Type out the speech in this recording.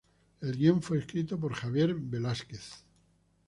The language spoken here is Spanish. El guion fue escrito por Javier Velásquez.